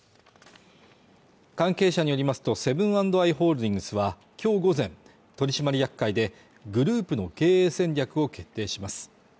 関係者によりますとセブン＆アイ・ホールディングスは、今日午前取締役会で、グループの経営戦略を決定します。